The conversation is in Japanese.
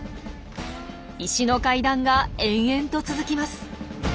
石の階段が延々と続きます。